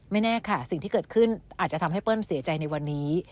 แน่ค่ะสิ่งที่เกิดขึ้นอาจจะทำให้เปิ้ลเสียใจในวันนี้